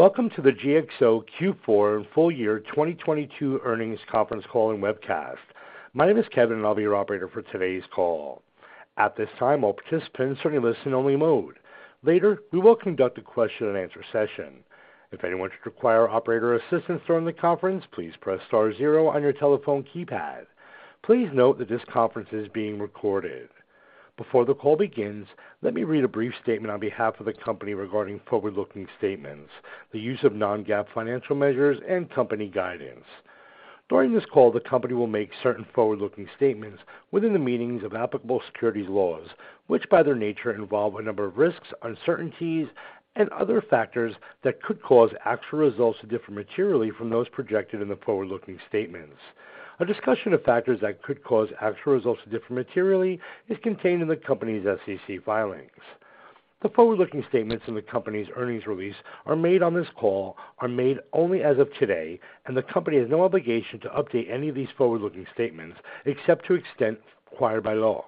Welcome to the GXO Q4 and Full Year 2022 Earnings Conference Call and Webcast. My name is Kevin. I'll be your operator for today's call. At this time, all participants are in listen only mode. Later, we will conduct a question and answer session. If anyone should require operator assistance during the conference, please press star zero on your telephone keypad. Please note that this conference is being recorded. Before the call begins, let me read a brief statement on behalf of the company regarding forward-looking statements, the use of non-GAAP financial measures and company guidance. During this call, the company will make certain forward-looking statements within the meanings of applicable securities laws, which by their nature involve a number of risks, uncertainties and other factors that could cause actual results to differ materially from those projected in the forward-looking statements. A discussion of factors that could cause actual results to differ materially is contained in the company's SEC filings. The forward-looking statements in the company's earnings release are made on this call only as of today, the company has no obligation to update any of these forward-looking statements, except to extent required by law.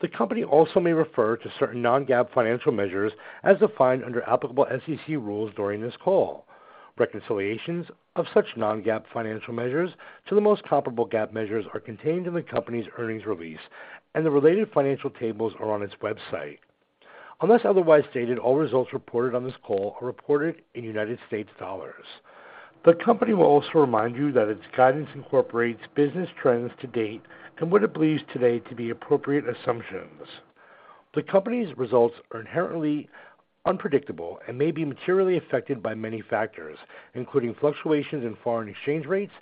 The company also may refer to certain non-GAAP financial measures as defined under applicable SEC rules during this call. Reconciliations of such non-GAAP financial measures to the most comparable GAAP measures are contained in the company's earnings release, the related financial tables are on its website. Unless otherwise stated, all results reported on this call are reported in United States dollars. The company will also remind you that its guidance incorporates business trends to date and what it believes today to be appropriate assumptions. The company's results are inherently unpredictable and may be materially affected by many factors, including fluctuations in foreign exchange rates,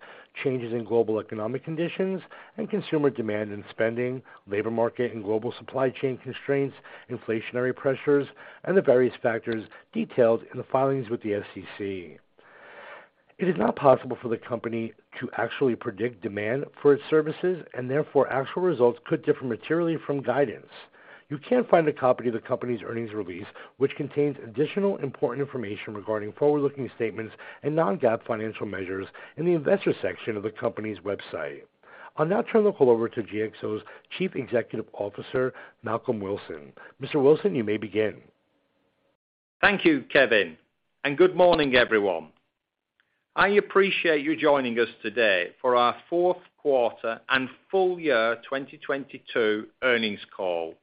changes in global economic conditions and consumer demand and spending, labor market and global supply chain constraints, inflationary pressures, and the various factors detailed in the filings with the SEC. It is not possible for the company to actually predict demand for its services, and therefore actual results could differ materially from guidance. You can find a copy of the company's earnings release, which contains additional important information regarding forward-looking statements and non-GAAP financial measures in the investor section of the company's website. I'll now turn the call over to GXO's Chief Executive Officer, Malcolm Wilson. Mr. Wilson, you may begin. Thank you, Kevin. Good morning, everyone. I appreciate you joining us today for our fourth quarter and full year 2022 earnings call.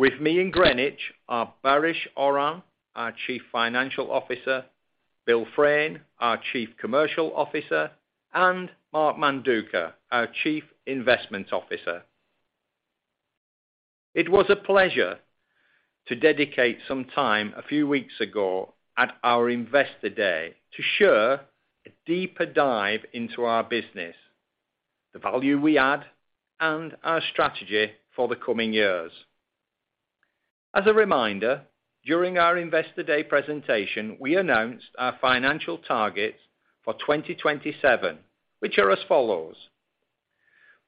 With me in Greenwich are Baris Oran, our Chief Financial Officer, Bill Fraine, our Chief Commercial Officer, and Mark Manduca, our Chief Investment Officer. It was a pleasure to dedicate some time a few weeks ago at our Investor Day to share a deeper dive into our business, the value we add, and our strategy for the coming years. As a reminder, during our Investor Day presentation, we announced our financial targets for 2027, which are as follows.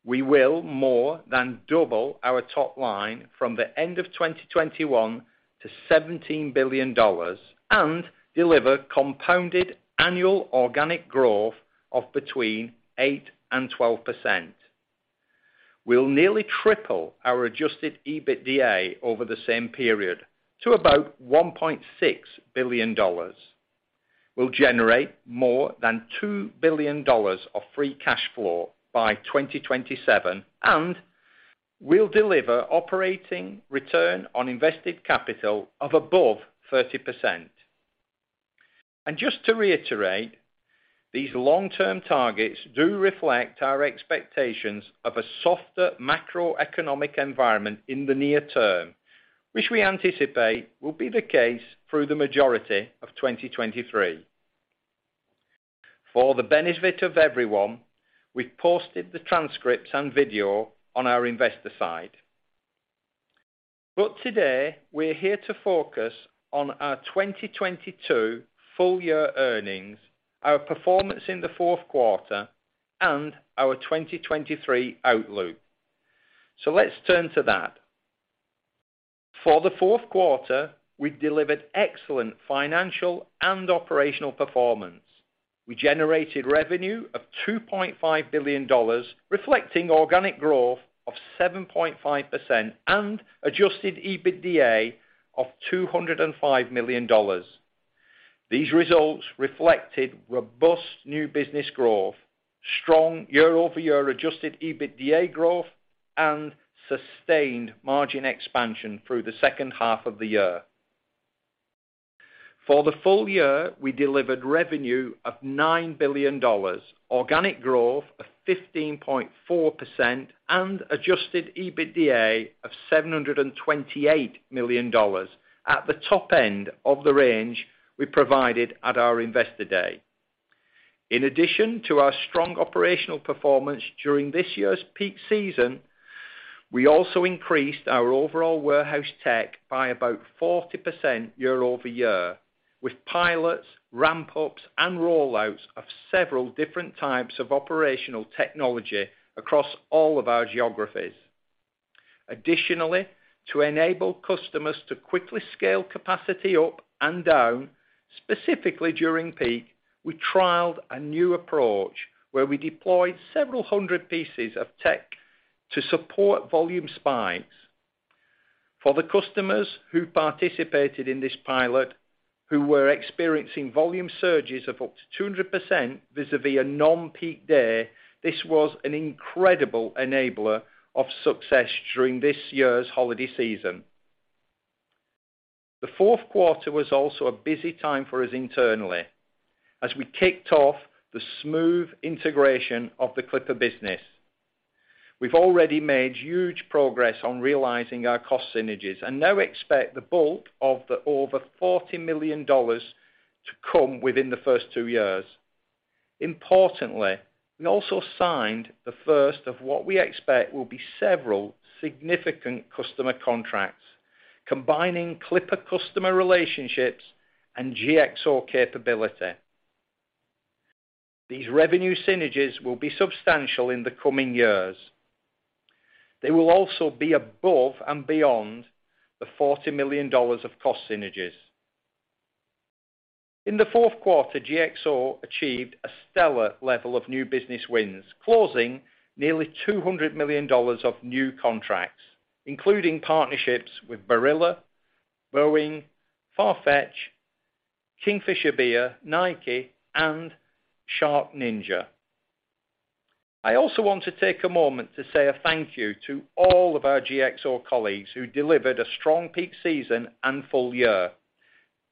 We will more than double our top line from the end of 2021 to $17 billion and deliver compounded annual organic growth of between 8% and 12%. We'll nearly triple our adjusted EBITDA over the same period to about $1.6 billion. We'll generate more than $2 billion of free cash flow by 2027, and we'll deliver operating return on invested capital of above 30%. Just to reiterate, these long-term targets do reflect our expectations of a softer macroeconomic environment in the near term, which we anticipate will be the case through the majority of 2023. For the benefit of everyone, we've posted the transcripts and video on our investor site. Today, we're here to focus on our 2022 full year earnings, our performance in the fourth quarter and our 2023 outlook. Let's turn to that. For the fourth quarter, we delivered excellent financial and operational performance. We generated revenue of $2.5 billion, reflecting organic growth of 7.5% and adjusted EBITDA of $205 million. These results reflected robust new business growth, strong year-over-year adjusted EBITDA growth, and sustained margin expansion through the second half of the year. For the full year, we delivered revenue of $9 billion, organic growth of 15.4% and adjusted EBITDA of $728 million at the top end of the range we provided at our Investor Day. In addition to our strong operational performance during this year's peak season, we also increased our overall warehouse tech by about 40% year-over-year with pilots, ramp ups and rollouts of several different types of operational technology across all of our geographies. Additionally, to enable customers to quickly scale capacity up and down, specifically during peak, we trialed a new approach where we deployed several hundred pieces of tech to support volume spikes. For the customers who participated in this pilot, who were experiencing volume surges of up to 200% vis-à-vis a non-peak day, this was an incredible enabler of success during this year's holiday season. The fourth quarter was also a busy time for us internally as we kicked off the smooth integration of the Clipper business. We've already made huge progress on realizing our cost synergies and now expect the bulk of the over $40 million to come within the first two years. Importantly, we also signed the first of what we expect will be several significant customer contracts combining Clipper customer relationships and GXO capability. These revenue synergies will be substantial in the coming years. They will also be above and beyond the $40 million of cost synergies. In the fourth quarter, GXO achieved a stellar level of new business wins, closing nearly $200 million of new contracts, including partnerships with Barilla, Boeing, FARFETCH, Kingfisher Beer, Nike, and SharkNinja. I also want to take a moment to say a thank you to all of our GXO colleagues who delivered a strong peak season and full year,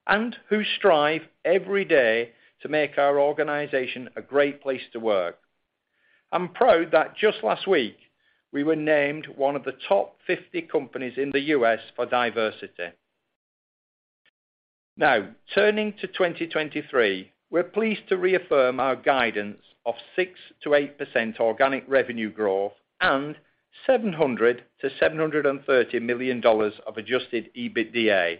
and who strive every day to make our organization a great place to work. I'm proud that just last week, we were named one of the top 50 companies in the U.S. for diversity. Now, turning to 2023, we're pleased to reaffirm our guidance of 6%-8% organic revenue growth and $700 million-$730 million of adjusted EBITDA.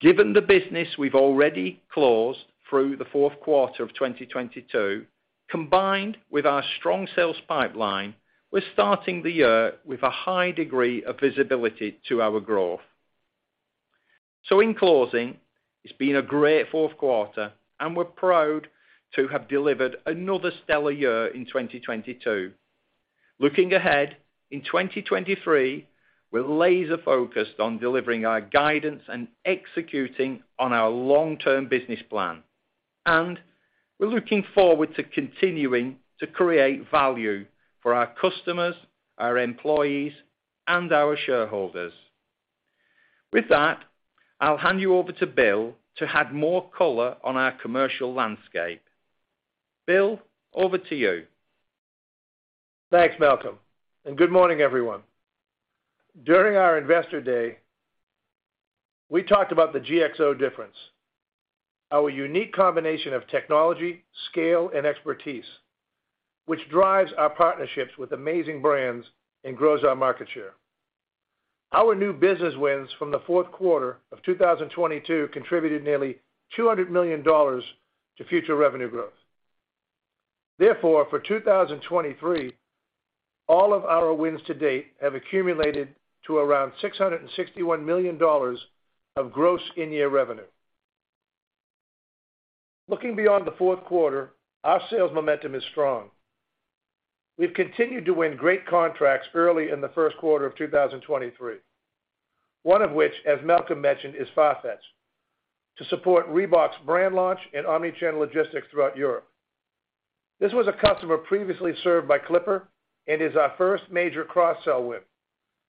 Given the business we've already closed through the fourth quarter of 2022, combined with our strong sales pipeline, we're starting the year with a high degree of visibility to our growth. In closing, it's been a great fourth quarter, and we're proud to have delivered another stellar year in 2022. Looking ahead, in 2023, we're laser-focused on delivering our guidance and executing on our long-term business plan, and we're looking forward to continuing to create value for our customers, our employees, and our shareholders. With that, I'll hand you over to Bill to add more color on our commercial landscape. Bill, over to you. Thanks, Malcolm. Good morning, everyone. During our Investor Day, we talked about the GXO difference, our unique combination of technology, scale, and expertise, which drives our partnerships with amazing brands and grows our market share. Our new business wins from the fourth quarter of 2022 contributed nearly $200 million to future revenue growth. For 2023, all of our wins to date have accumulated to around $661 million of gross in-year revenue. Looking beyond the fourth quarter, our sales momentum is strong. We've continued to win great contracts early in the first quarter of 2023. One of which, as Malcolm mentioned, is FARFETCH, to support Reebok's brand launch and omnichannel logistics throughout Europe. This was a customer previously served by Clipper and is our first major cross-sell win,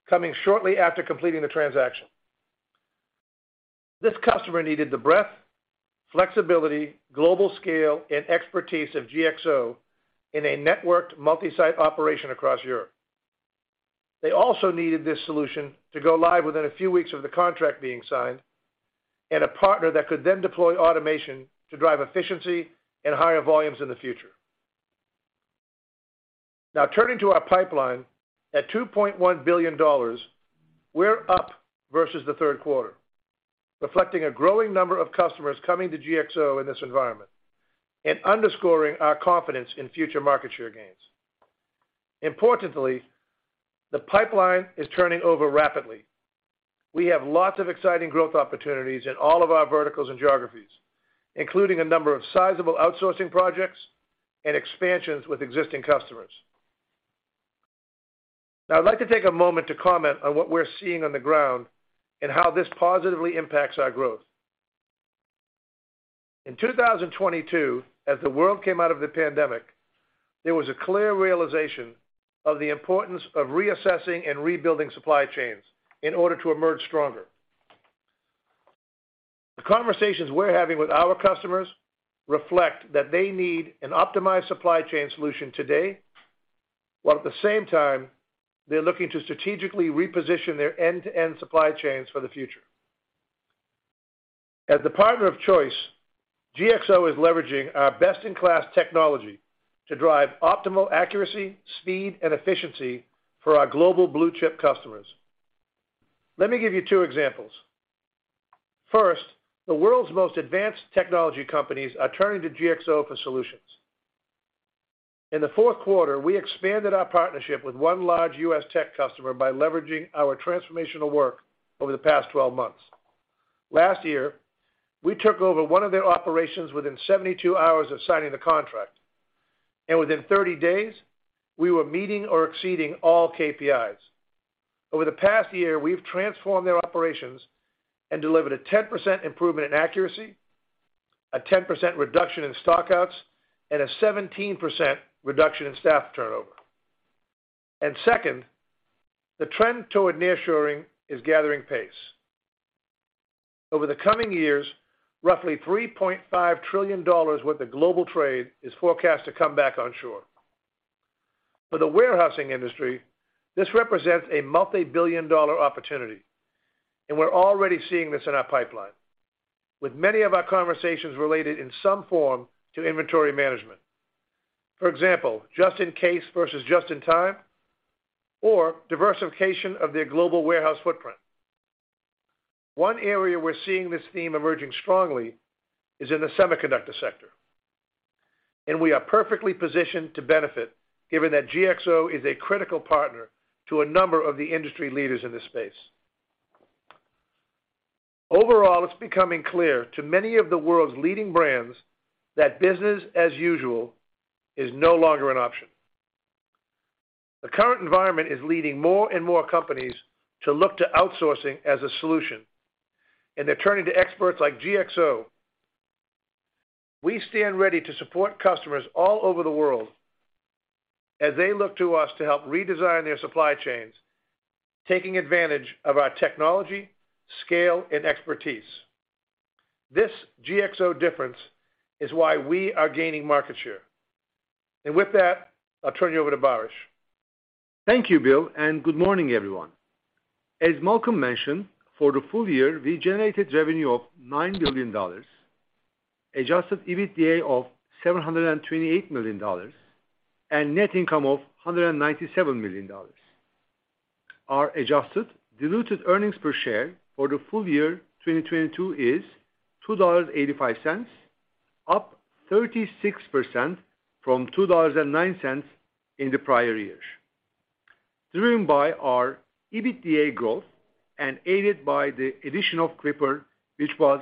coming shortly after completing the transaction. This customer needed the breadth, flexibility, global scale, and expertise of GXO in a networked multi-site operation across Europe. They also needed this solution to go live within a few weeks of the contract being signed and a partner that could then deploy automation to drive efficiency and higher volumes in the future. Turning to our pipeline at $2.1 billion, we're up versus the third quarter, reflecting a growing number of customers coming to GXO in this environment and underscoring our confidence in future market share gains. Importantly, the pipeline is turning over rapidly. We have lots of exciting growth opportunities in all of our verticals and geographies, including a number of sizable outsourcing projects and expansions with existing customers. I'd like to take a moment to comment on what we're seeing on the ground and how this positively impacts our growth. In 2022, as the world came out of the pandemic, there was a clear realization of the importance of reassessing and rebuilding supply chains in order to emerge stronger. The conversations we're having with our customers reflect that they need an optimized supply chain solution today, while at the same time, they're looking to strategically reposition their end-to-end supply chains for the future. As the partner of choice, GXO is leveraging our best-in-class technology to drive optimal accuracy, speed, and efficiency for our global blue-chip customers. Let me give you two examples. First, the world's most advanced technology companies are turning to GXO for solutions. In the fourth quarter, we expanded our partnership with one large U.S. tech customer by leveraging our transformational work over the past 12 months. Last year, we took over one of their operations within 72 hours of signing the contract, and within 30 days we were meeting or exceeding all KPIs. Over the past year, we've transformed their operations and delivered a 10% improvement in accuracy, a 10% reduction in stock outs, and a 17% reduction in staff turnover. Second, the trend toward nearshoring is gathering pace. Over the coming years, roughly $3.5 trillion worth of global trade is forecast to come back onshore. For the warehousing industry, this represents a multi-billion dollar opportunity, and we're already seeing this in our pipeline, with many of our conversations related in some form to inventory management. For example, just-in-case versus just-in-time or diversification of their global warehouse footprint. One area we're seeing this theme emerging strongly is in the semiconductor sector, and we are perfectly positioned to benefit given that GXO is a critical partner to a number of the industry leaders in this space. Overall, it's becoming clear to many of the world's leading brands that business as usual is no longer an option. The current environment is leading more and more companies to look to outsourcing as a solution, and they're turning to experts like GXO. We stand ready to support customers all over the world as they look to us to help redesign their supply chains, taking advantage of our technology, scale, and expertise. This GXO difference is why we are gaining market share. With that, I'll turn you over to Baris. Thank you, Bill. Good morning, everyone. As Malcolm mentioned, for the full year, we generated revenue of $9 billion, adjusted EBITDA of $728 million, and net income of $197 million. Our adjusted diluted earnings per share for the full year 2022 is $2.85, up 36% from $2.09 in the prior years, driven by our EBITDA growth and aided by the addition of Clipper, which was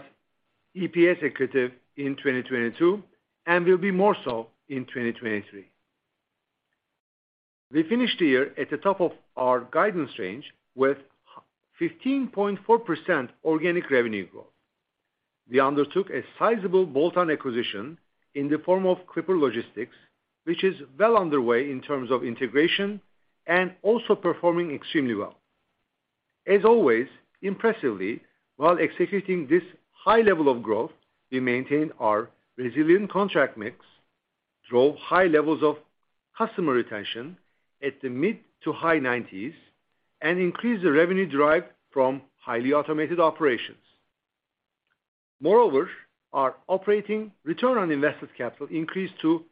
EPS accretive in 2022 and will be more so in 2023. We finished the year at the top of our guidance range with 15.4% organic revenue growth. We undertook a sizable bolt-on acquisition in the form of Clipper Logistics, which is well underway in terms of integration and also performing extremely well. As always, impressively, while executing this high level of growth, we maintain our resilient contract mix, drove high levels of customer retention at the mid to high nineties, and increased the revenue derived from highly automated operations. Our operating return on invested capital increased to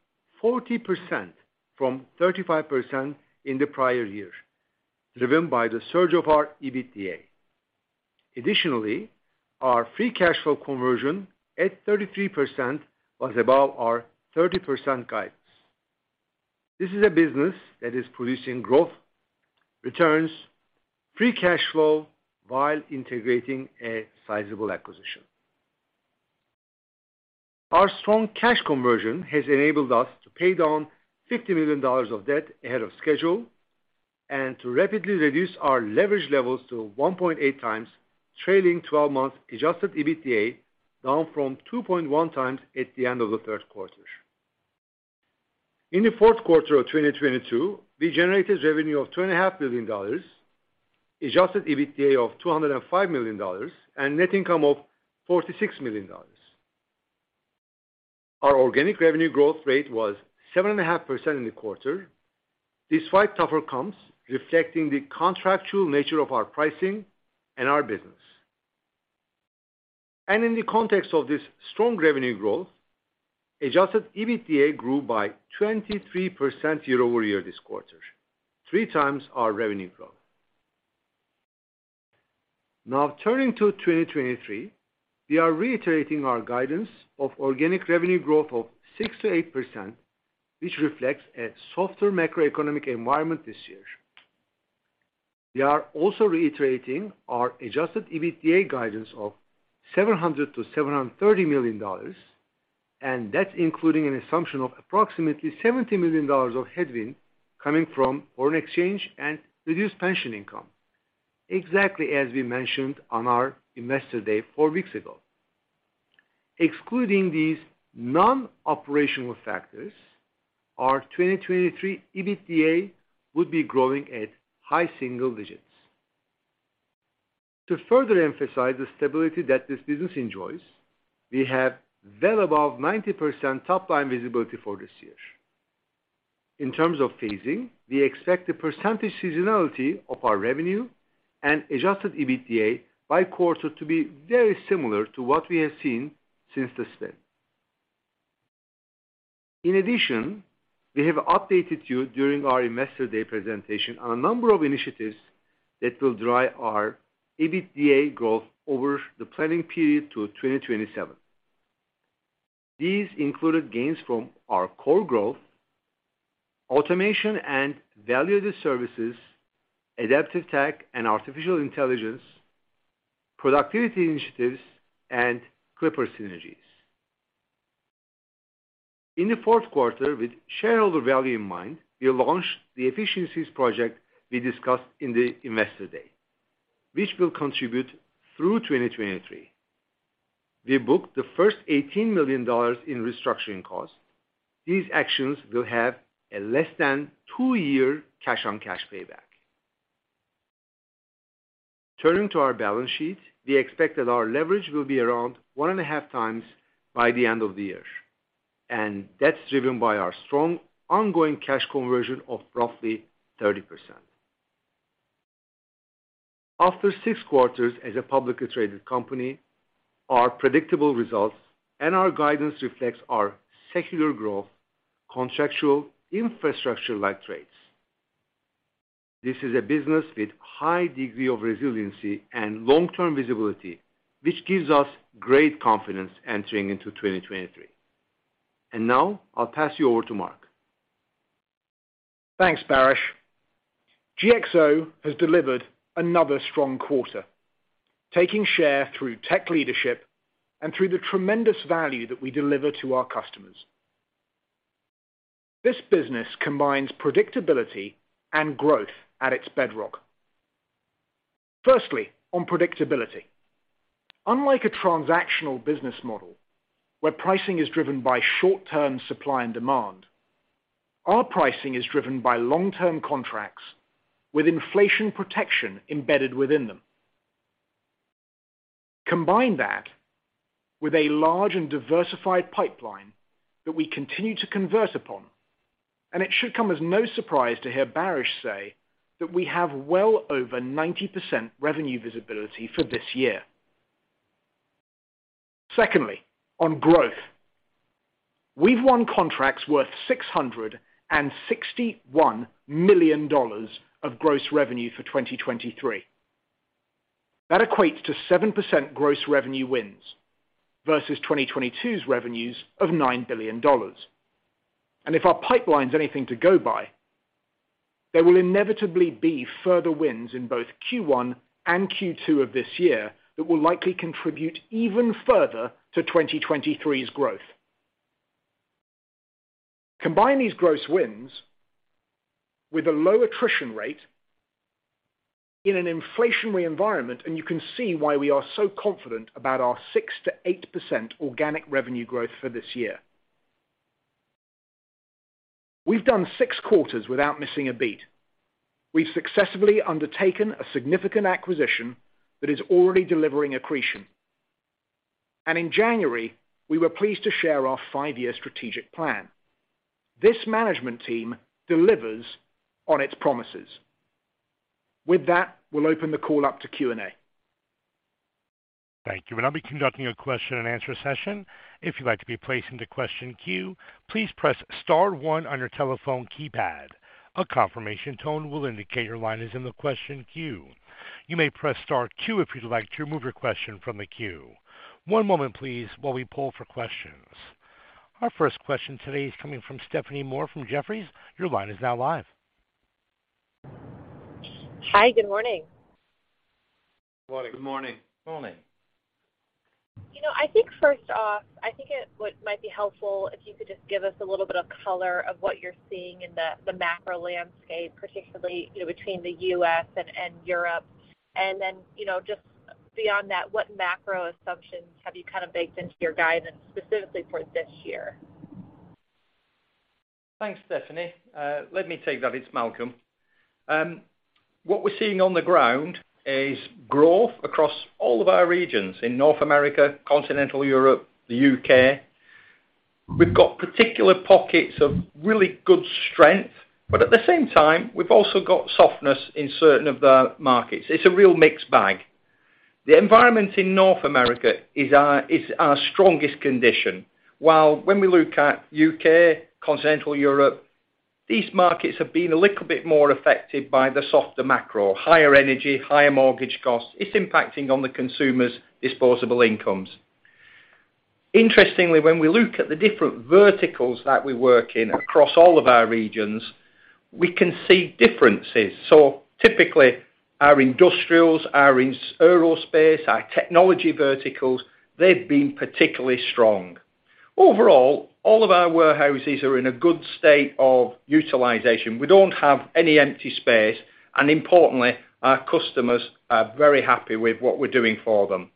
40% from 35% in the prior year, driven by the surge of our EBITDA. Our free cash flow conversion at 33% was above our 30% guidance. This is a business that is producing growth, returns, free cash flow while integrating a sizable acquisition. Our strong cash conversion has enabled us to pay down $50 million of debt ahead of schedule and to rapidly reduce our leverage levels to 1.8x trailing twelve months adjusted EBITDA down from 2.1x at the end of the third quarter. In the fourth quarter of 2022, we generated revenue of $2.5 billion, adjusted EBITDA of $205 million, and net income of $46 million. Our organic revenue growth rate was 7.5% in the quarter, despite tougher comps, reflecting the contractual nature of our pricing and our business. In the context of this strong revenue growth, adjusted EBITDA grew by 23% year-over-year this quarter, 3x our revenue growth. Now turning to 2023, we are reiterating our guidance of organic revenue growth of 6%-8%, which reflects a softer macroeconomic environment this year. We are also reiterating our adjusted EBITDA guidance of $700 million-$730 million. That's including an assumption of approximately $70 million of headwind coming from foreign exchange and reduced pension income, exactly as we mentioned on our Investor Day four weeks ago. Excluding these non-operational factors, our 2023 EBITDA would be growing at high single digits. To further emphasize the stability that this business enjoys, we have well above 90% top line visibility for this year. In terms of phasing, we expect the percentage seasonality of our revenue and adjusted EBITDA by quarter to be very similar to what we have seen since this then. In addition, we have updated you during our Investor Day presentation on a number of initiatives that will drive our EBITDA growth over the planning period to 2027. These included gains from our core growth, automation and value-added services, adaptive tech and artificial intelligence, productivity initiatives, and Clipper synergies. In the fourth quarter, with shareholder value in mind, we launched the efficiencies project we discussed in the Investor Day, which will contribute through 2023. We booked the first $18 million in restructuring costs. These actions will have a less than two-year cash-on-cash payback. Turning to our balance sheet, we expect that our leverage will be around 1.5x by the end of the year, and that's driven by our strong ongoing cash conversion of roughly 30%. After six quarters as a publicly traded company, our predictable results and our guidance reflects our secular growth, contractual infrastructure-like traits. This is a business with high degree of resiliency and long-term visibility, which gives us great confidence entering into 2023. Now I'll pass you over to Mark. Thanks, Baris. GXO has delivered another strong quarter, taking share through tech leadership and through the tremendous value that we deliver to our customers. This business combines predictability and growth at its bedrock. Firstly, on predictability. Unlike a transactional business model, where pricing is driven by short-term supply and demand, our pricing is driven by long-term contracts with inflation protection embedded within them. Combine that with a large and diversified pipeline that we continue to convert upon, and it should come as no surprise to hear Baris say that we have well over 90% revenue visibility for this year. Secondly, on growth. We've won contracts worth $661 million of gross revenue for 2023. That equates to 7% gross revenue wins versus 2022's revenues of $9 billion. If our pipeline is anything to go by, there will inevitably be further wins in both Q1 and Q2 of this year that will likely contribute even further to 2023's growth. Combine these gross wins with a low attrition rate in an inflationary environment, and you can see why we are so confident about our 6%-8% organic revenue growth for this year. We've done six quarters without missing a beat. We've successfully undertaken a significant acquisition that is already delivering accretion. In January, we were pleased to share our 5-year strategic plan. This management team delivers on its promises. With that, we'll open the call up to Q&A. Thank you. We'll now be conducting a question-and-answer session. If you'd like to be placed into question queue, please press star one on your telephone keypad. A confirmation tone will indicate your line is in the question queue. You may press star two if you'd like to remove your question from the queue. One moment, please, while we poll for questions. Our first question today is coming from Stephanie Moore from Jefferies. Your line is now live. Hi. Good morning. Good morning. Good morning. Morning. You know, I think first off, I think it might be helpful if you could just give us a little bit of color of what you're seeing in the macro landscape, particularly, you know, between the U.S. and Europe. You know, just beyond that, what macro assumptions have you kind of baked into your guidance specifically for this year? Thanks, Stephanie. let me take that. It's Malcolm. What we're seeing on the ground is growth across all of our regions in North America, continental Europe, the U.K. We've got particular pockets of really good strength, but at the same time, we've also got softness in certain of the markets. It's a real mixed bag. The environment in North America is our strongest condition. While when we look at U.K., continental Europe, these markets have been a little bit more affected by the softer macro, higher energy, higher mortgage costs. It's impacting on the consumers' disposable incomes. Interestingly, when we look at the different verticals that we work in across all of our regions, we can see differences. Typically, our industrials, our aerospace, our technology verticals, they've been particularly strong. Overall, all of our warehouses are in a good state of utilization. We don't have any empty space, and importantly, our customers are very happy with what we're doing for them.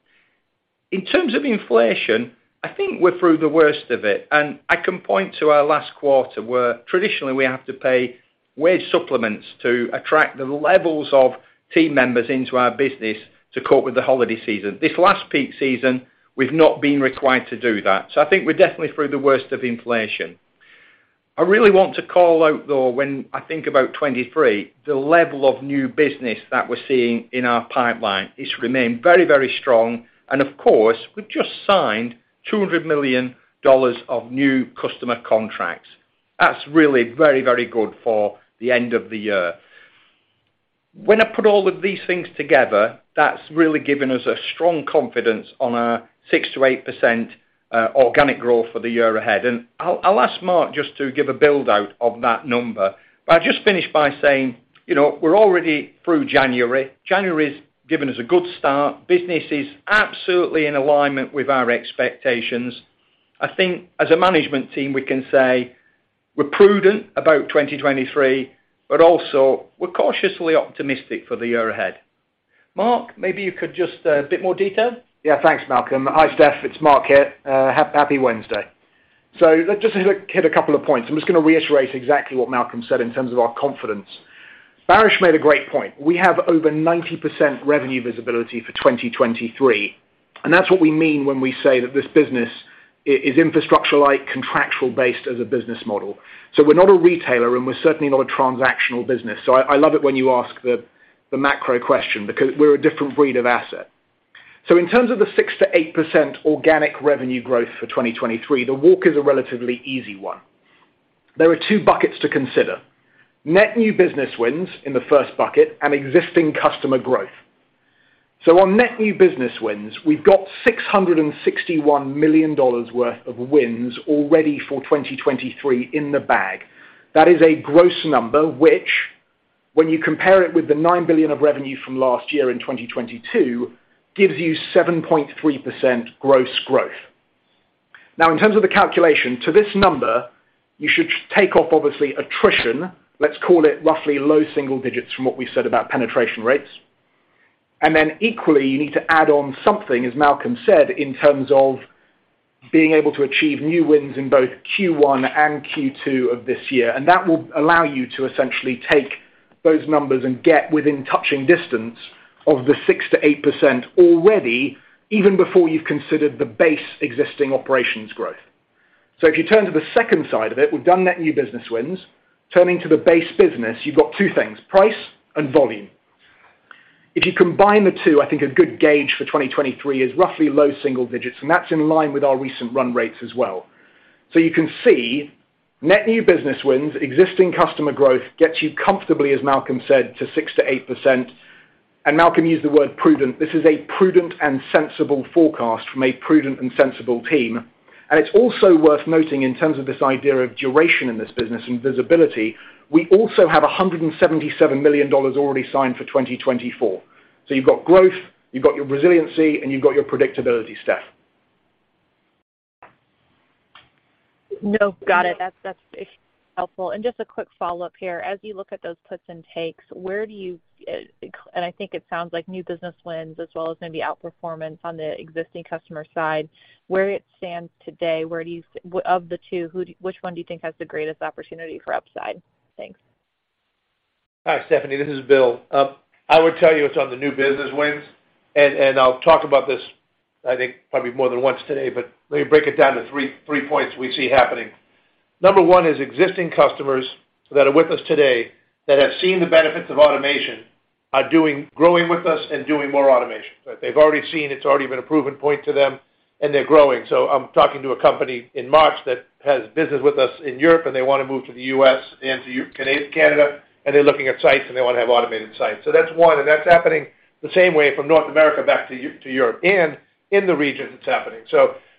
In terms of inflation, I think we're through the worst of it, and I can point to our last quarter, where traditionally we have to pay wage supplements to attract the levels of team members into our business to cope with the holiday season. This last peak season, we've not been required to do that. I think we're definitely through the worst of inflation. I really want to call out, though, when I think about 2023, the level of new business that we're seeing in our pipeline. It's remained very, very strong. Of course, we've just signed $200 million of new customer contracts. That's really very, very good for the end of the year. When I put all of these things together, that's really given us a strong confidence on our 6% to 8% organic growth for the year ahead. I'll ask Mark just to give a build-out of that number. I'll just finish by saying, you know, we're already through January. January's given us a good start. Business is absolutely in alignment with our expectations. I think as a management team, we can say we're prudent about 2023, but also we're cautiously optimistic for the year ahead. Mark, maybe you could just a bit more detail. Yeah. Thanks, Malcolm. Hi, Steph. It's Mark here. Happy Wednesday. Let's just hit a couple of points. I'm just gonna reiterate exactly what Malcolm said in terms of our confidence. Baris made a great point. We have over 90% revenue visibility for 2023, that's what we mean when we say that this business is infrastructure-like, contractual based as a business model. We're not a retailer, and we're certainly not a transactional business. I love it when you ask the macro question because we're a different breed of asset. In terms of the 6% to 8% organic revenue growth for 2023, the walk is a relatively easy one. There are two buckets to consider: net new business wins in the first bucket and existing customer growth. On net new business wins, we've got $661 million worth of wins already for 2023 in the bag. That is a gross number, which when you compare it with the $9 billion of revenue from last year in 2022, gives you 7.3% gross growth. In terms of the calculation, to this number, you should take off obviously attrition, let's call it roughly low single digits from what we said about penetration rates. Equally, you need to add on something, as Malcolm said, in terms of being able to achieve new wins in both Q1 and Q2 of this year. That will allow you to essentially take those numbers and get within touching distance of the 6%-8% already, even before you've considered the base existing operations growth. If you turn to the second side of it, we've done net new business wins. Turning to the base business, you've got two things, price and volume. If you combine the two, I think a good gauge for 2023 is roughly low single digits, and that's in line with our recent run rates as well. You can see net new business wins, existing customer growth gets you comfortably, as Malcolm said, to 6%-8%. Malcolm used the word prudent. This is a prudent and sensible forecast from a prudent and sensible team. It's also worth noting in terms of this idea of duration in this business and visibility, we also have $177 million already signed for 2024. You've got growth, you've got your resiliency, and you've got your predictability, Steph. No. Got it. That's helpful. Just a quick follow-up here. As you look at those puts and takes, where do you, and I think it sounds like new business wins as well as maybe outperformance on the existing customer side. Where it stands today, where do you of the two, which one do you think has the greatest opportunity for upside? Thanks. Hi, Stephanie. This is Bill. I would tell you it's on the new business wins, and I'll talk about this, I think, probably more than once today, but let me break it down to three points we see happening. Number one is existing customers that are with us today that have seen the benefits of automation are growing with us and doing more automation. They've already seen, it's already been a proven point to them, and they're growing. I'm talking to a company in March that has business with us in Europe, and they wanna move to the U.S. and to Canada, and they're looking at sites, and they wanna have automated sites. That's one, and that's happening the same way from North America back to Europe and in the region it's happening.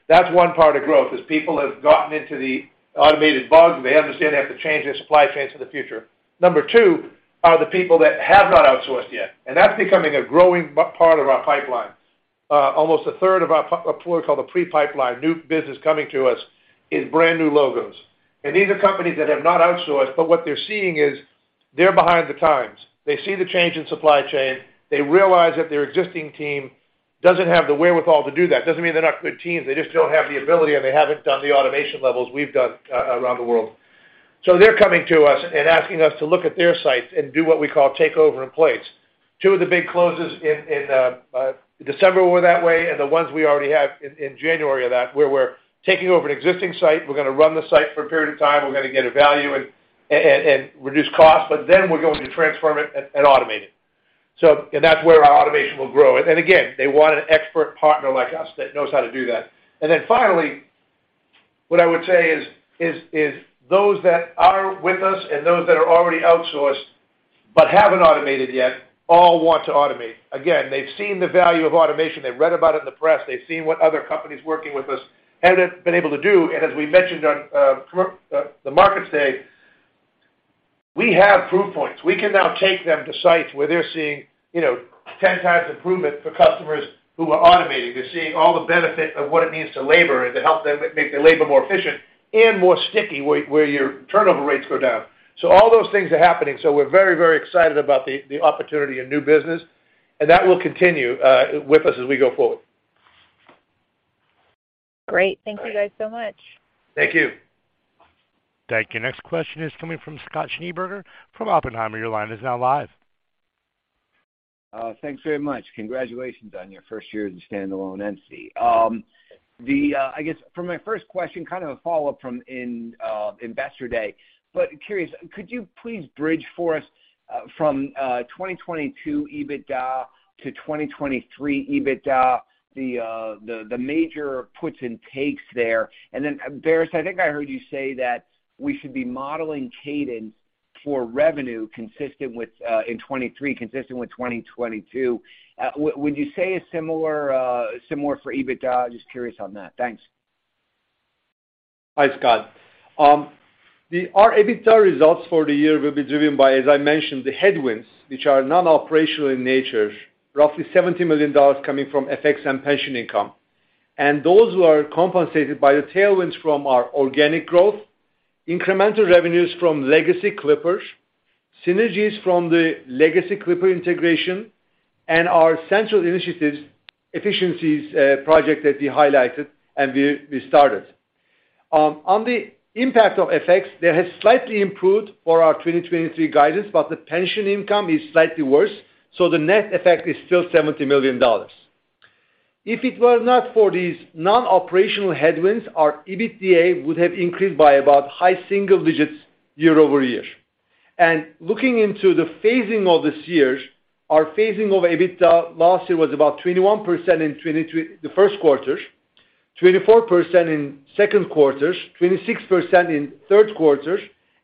That's one part of growth is people have gotten into the automated bug. They understand they have to change their supply chains for the future. Number two are the people that have not outsourced yet, and that's becoming a growing part of our pipeline. Almost a third of our what we call the pre-pipeline, new business coming to us is brand-new logos. These are companies that have not outsourced, but what they're seeing is they're behind the times. They see the change in supply chain. They realize that their existing team doesn't have the wherewithal to do that. Doesn't mean they're not good teams. They just don't have the ability, and they haven't done the automation levels we've done around the world. They're coming to us and asking us to look at their sites and do what we call takeover in-place. Two of the big closes in December were that way and the ones we already have in January of that, where we're taking over an existing site, we're gonna run the site for a period of time, we're gonna get a value and reduce costs, but then we're going to transform it and automate it. That's where our automation will grow. Again, they want an expert partner like us that knows how to do that. Finally, what I would say is those that are with us and those that are already outsourced but haven't automated yet all want to automate. Again, they've seen the value of automation. They've read about it in the press. They've seen what other companies working with us have been able to do. As we mentioned on the Markets Day, we have proof points. We can now take them to sites where they're seeing, you know, 10x improvement for customers who are automating. They're seeing all the benefit of what it means to labor and to help them make their labor more efficient and more sticky, where your turnover rates go down. All those things are happening, so we're very, very excited about the opportunity and new business, and that will continue with us as we go forward. Great. Thank you guys so much. Thank you. Thank you. Next question is coming from Scott Schneeberger from Oppenheimer. Your line is now live. Thanks very much. Congratulations on your first year as a standalone entity. I guess for my first question, kind of a follow-up from Investor Day, curious, could you please bridge for us from 2022 EBITDA to 2023 EBITDA, the major puts and takes there? Baris, I think I heard you say that we should be modeling cadence for revenue consistent with in 2023, consistent with 2022. Would you say a similar for EBITDA? Just curious on that. Thanks. Hi, Scott. Our EBITDA results for the year will be driven by, as I mentioned, the headwinds, which are non-operational in nature, roughly $70 million coming from FX and pension income. Those who are compensated by the tailwinds from our organic growth, incremental revenues from legacy Clipper, synergies from the legacy Clipper integration, and our central initiatives efficiencies project that we highlighted and we started. On the impact of FX, they have slightly improved for our 2023 guidance. The pension income is slightly worse. The net effect is still $70 million. If it were not for these non-operational headwinds, our EBITDA would have increased by about high single digits year-over-year. Looking into the phasing of this year, our phasing of EBITDA last year was about 21% in the first quarter, 24% in second quarter, 26% in third quarter,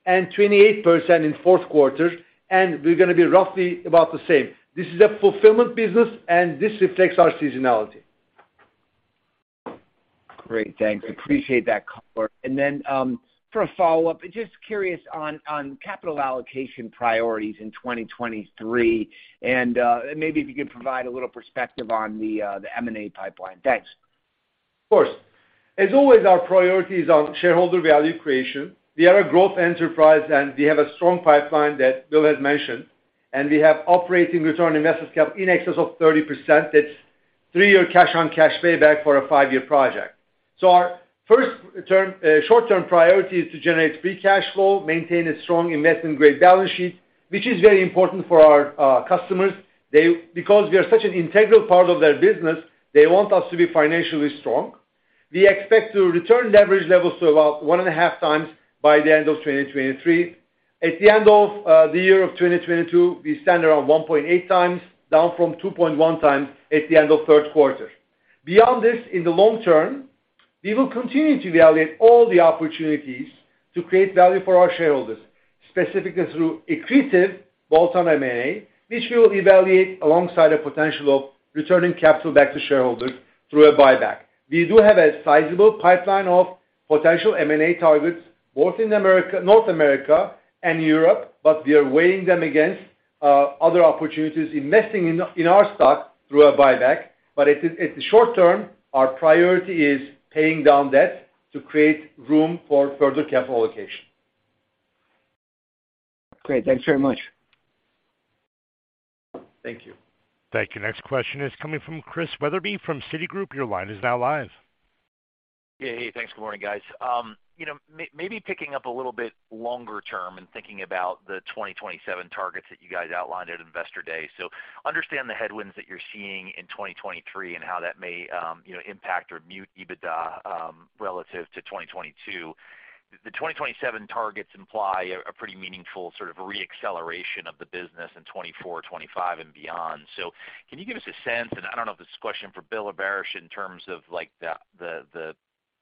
and 28% in fourth quarter, and we're gonna be roughly about the same. This is a fulfillment business, and this reflects our seasonality. Great. Thanks. Appreciate that color. For a follow-up, just curious on capital allocation priorities in 2023, maybe if you could provide a little perspective on the M&A pipeline. Thanks. Of course. As always, our priority is on shareholder value creation. We are a growth enterprise. We have a strong pipeline that Bill has mentioned, and we have operating return on invested capital in excess of 30%. That's three-year cash on cash payback for a 5-year project. Our first short-term priority is to generate free cash flow, maintain a strong investment-grade balance sheet, which is very important for our customers. Because we are such an integral part of their business, they want us to be financially strong. We expect to return leverage levels to about 1.5x by the end of 2023. At the end of the year of 2022, we stand around 1.8x, down from 2.1x at the end of third quarter. Beyond this, in the long term, we will continue to evaluate all the opportunities to create value for our shareholders, specifically through accretive bolt-on M&A, which we will evaluate alongside a potential of returning capital back to shareholders through a buyback. We do have a sizable pipeline of potential M&A targets, both in North America and Europe, but we are weighing them against other opportunities investing in our stock through a buyback. At the short term, our priority is paying down debt to create room for further capital allocation. Great. Thanks very much. Thank you. Thank you. Next question is coming from Chris Wetherbee from Citigroup. Your line is now live. Yeah. Hey, thanks, good morning, guys. You know, maybe picking up a little bit longer term and thinking about the 2027 targets that you guys outlined at Investor Day. Understand the headwinds that you're seeing in 2023 and how that may, you know, impact or mute EBITDA relative to 2022. The 2027 targets imply a pretty meaningful sort of re-acceleration of the business in 2024, 2025 and beyond. Can you give us a sense, and I don't know if this is a question for Bill or Baris, in terms of like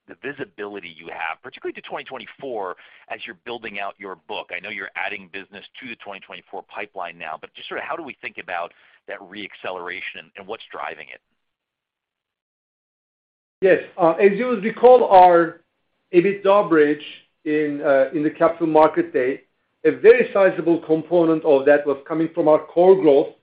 the visibility you have, particularly to 2024 as you're building out your book. I know you're adding business to the 2024 pipeline now, but just sort of how do we think about that re-acceleration and what's driving it? Yes. As you recall our EBITDA bridge in the Capital Markets Day, a very sizable component of that was coming from our core growth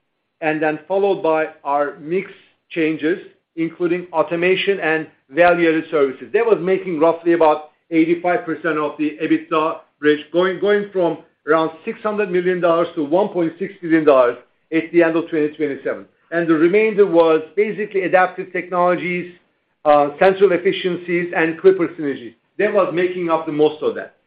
and then followed by our mix changes, including automation and value-added services. That was making roughly about 85% of the EBITDA bridge, going from around $600 million to $1.6 billion at the end of 2027. The remainder was basically adaptive technologies, central efficiencies, and Clipper synergy. That was making up the most of that.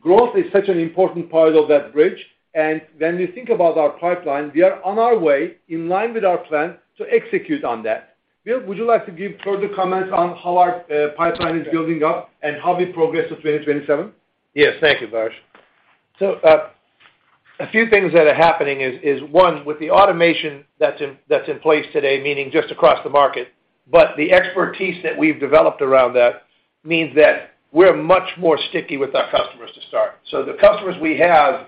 Growth is such an important part of that bridge. When we think about our pipeline, we are on our way in line with our plan to execute on that. Bill, would you like to give further comments on how our pipeline is building up and how we progress to 2027? Yes. Thank you, Baris. A few things that are happening is one, with the automation that's in place today, meaning just across the market, but the expertise that we've developed around that means that we're much more sticky with our customers to start. The customers we have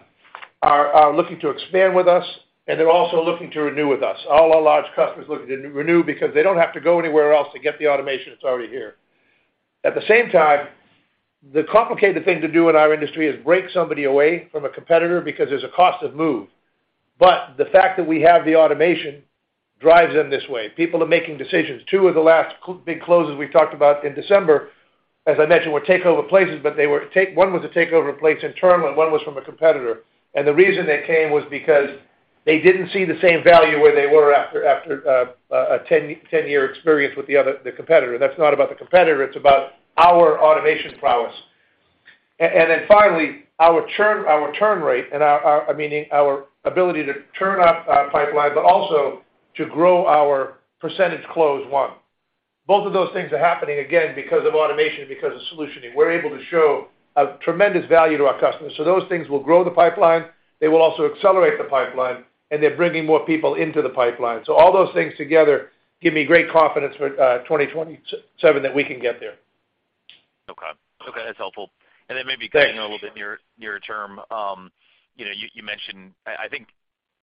are looking to expand with us, and they're also looking to renew with us. All our large customers are looking to re-renew because they don't have to go anywhere else to get the automation that's already here. At the same time, the complicated thing to do in our industry is break somebody away from a competitor because there's a cost to move. The fact that we have the automation drives them this way. People are making decisions. Two of the last big closes we've talked about in December, as I mentioned, were takeover places, but they were one was a takeover place in term, and one was from a competitor. The reason they came was because they didn't see the same value where they were after a 10-year experience with the other, the competitor. That's not about the competitor. It's about our automation prowess. Finally, our turn rate and our ability to turn up our pipeline, but also to grow our percentage close won. Both of those things are happening, again, because of automation, because of solutioning. We're able to show a tremendous value to our customers. Those things will grow the pipeline. They will also accelerate the pipeline, and they're bringing more people into the pipeline. All those things together give me great confidence for 2027 that we can get there. Okay. Okay, that's helpful. Maybe getting a little bit near term, you know, you mentioned I think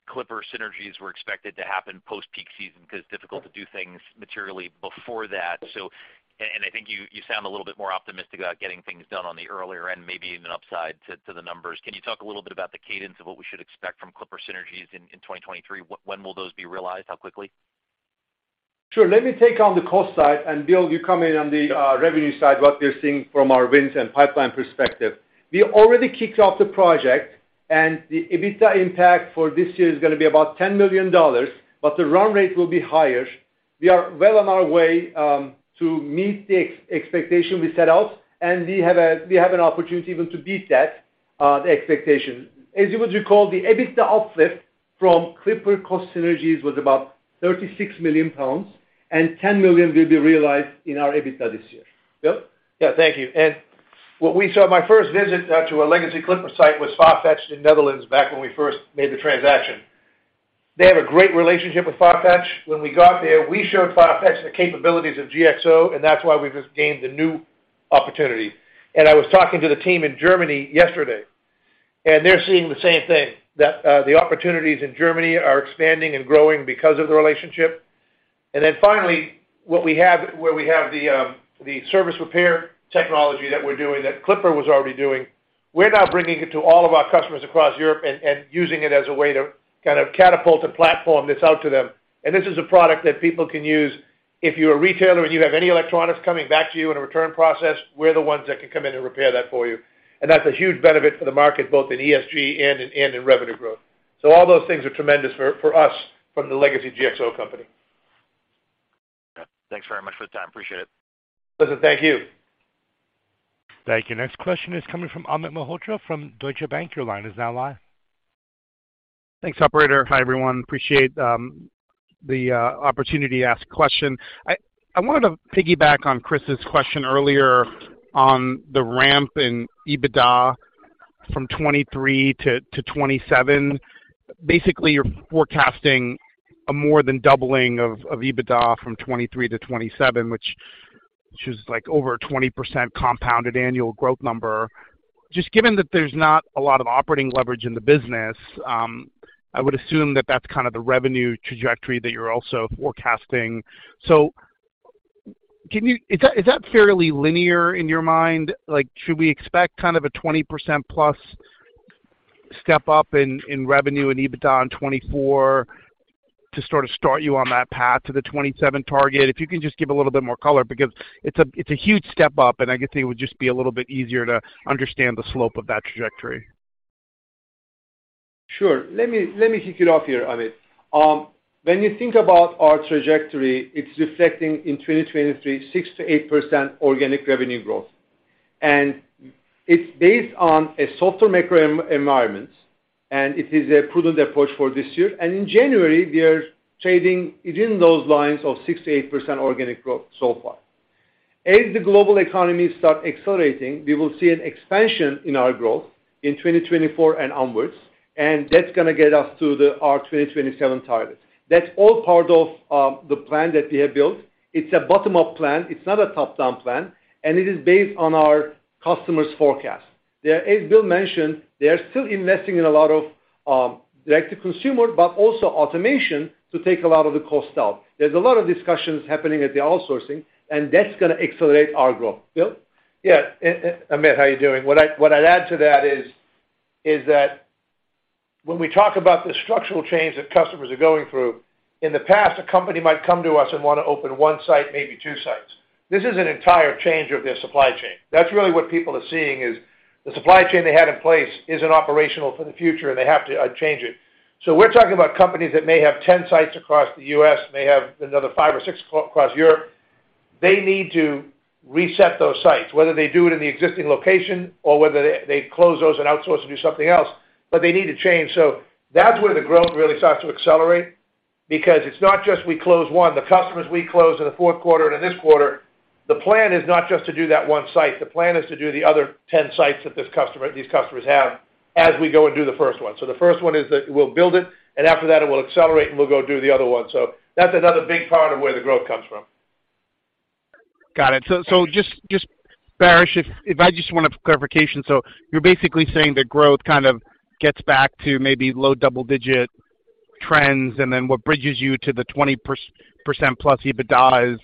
Clipper synergies were expected to happen post-peak season 'cause difficult to do things materially before that. And I think you sound a little bit more optimistic about getting things done on the earlier end, maybe even upside to the numbers. Can you talk a little bit about the cadence of what we should expect from Clipper synergies in 2023? When will those be realized? How quickly? Sure. Let me take on the cost side. Bill, you come in on the revenue side, what we're seeing from our wins and pipeline perspective. We already kicked off the project. The EBITDA impact for this year is gonna be about $10 million, but the run rate will be higher. We are well on our way to meet the expectation we set out. We have an opportunity even to beat that expectation. As you would recall, the EBITDA uplift from Clipper cost synergies was about 36 million pounds. $10 million will be realized in our EBITDA this year. Bill? Yeah. Thank we. What we saw on my first visit to a legacy Clipper site was FARFETCH in Netherlands back when we first made the transaction. They have a great relationship with FARFETCH. When we got there, we showed FARFETCH the capabilities of GXO, and that's why we've just gained the new opportunity. I was talking to the team in Germany yesterday, and they're seeing the same thing, that the opportunities in Germany are expanding and growing because of the relationship. Finally, where we have the service repair technology that we're doing, that Clipper was already doing, we're now bringing it to all of our customers across Europe and using it as a way to kind of catapult a platform that's out to them. This is a product that people can use. If you're a retailer and you have any electronics coming back to you in a return process, we're the ones that can come in and repair that for you. That's a huge benefit for the market, both in ESG and in revenue growth. All those things are tremendous for us from the legacy GXO company. Okay. Thanks very much for the time. Appreciate it. Listen, thank you. Thank you. Next question is coming from Amit Mehrotra from Deutsche Bank. Your line is now live. Thanks, operator. Hi, everyone. Appreciate the opportunity to ask a question. I wanted to piggyback on Chris's question earlier on the ramp in EBITDA from 2023 to 2027. Basically, you're forecasting a more than doubling of EBITDA from 2023 to 2027, which is, like, over a 20% compounded annual growth number. Just given that there's not a lot of operating leverage in the business, I would assume that that's kind of the revenue trajectory that you're also forecasting. Is that fairly linear in your mind? Like, should we expect kind of a 20%+ step up in revenue and EBITDA in 2024 to sort of start you on that path to the 2027 target? If you can just give a little bit more color, because it's a, it's a huge step up, and I guess it would just be a little bit easier to understand the slope of that trajectory. Sure. Let me kick it off here, Amit. When you think about our trajectory, it's reflecting in 2023 6%-8% organic revenue growth. It's based on a softer macro environment, and it is a prudent approach for this year. In January, we are trading within those lines of 6%-8% organic growth so far. As the global economy start accelerating, we will see an expansion in our growth in 2024 and onwards, that's gonna get us to our 2027 target. That's all part of the plan that we have built. It's a bottom-up plan. It's not a top-down plan, and it is based on our customers' forecast. As Bill mentioned, they are still investing in a lot of direct-to-consumer, but also automation to take a lot of the cost out. There's a lot of discussions happening at the outsourcing. That's gonna accelerate our growth. Bill? Yeah. Amit, how you doing? What I'd add to that is that when we talk about the structural change that customers are going through, in the past, a company might come to us and wanna open one site, maybe two sites. This is an entire change of their supply chain. That's really what people are seeing is the supply chain they had in place isn't operational for the future, and they have to change it. We're talking about companies that may have 10 sites across the U.S., may have another five or six across Europe. They need to reset those sites, whether they do it in the existing location or whether they close those and outsource to do something else, but they need to change. That's where the growth really starts to accelerate because it's not just we close one. The customers we closed in the fourth quarter and in this quarter, the plan is not just to do that one site. The plan is to do the other 10 sites that these customers have as we go and do the first one. The first one is that we'll build it, and after that it will accelerate, and we'll go do the other one. That's another big part of where the growth comes from. Got it. Just, Baris, if I just want a clarification. You're basically saying the growth kind of gets back to maybe low double digit trends, and then what bridges you to the 20%+ EBITDA